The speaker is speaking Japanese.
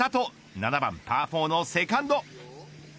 ７番パー４のセカンド。